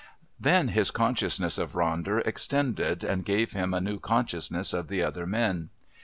Then his consciousness of Ronder extended and gave him a new consciousness of the other men.